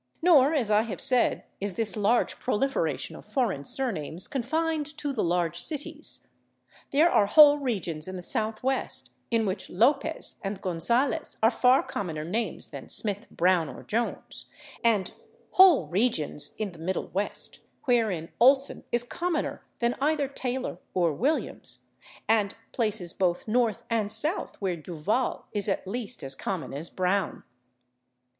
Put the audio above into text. Nor, as I have said, is this large proliferation of foreign surnames confined to the large cities. There are whole regions in the Southwest in which /López/ and /Gonzales/ are far commoner names than /Smith/, /Brown/ or /Jones/, and whole regions in the Middle West wherein /Olson/ is commoner than either /Taylor/ or /Williams/, and places both North and South where /Duval/ is at least as common as /Brown